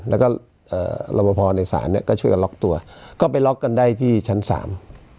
แล้วก็เอ่อรับประพอในศาลเนี้ยก็ช่วยกันล็อกตัวก็ไปล็อกกันได้ที่ชั้นสาม